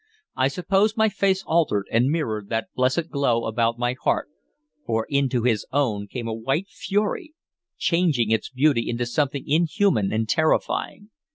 I suppose my face altered, and mirrored that blessed glow about my heart, for into his own came a white fury, changing its beauty into something inhuman and terrifying.